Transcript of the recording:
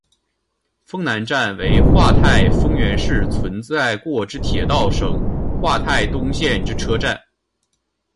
丰南站为桦太丰原市存在过之铁道省桦太东线之车站。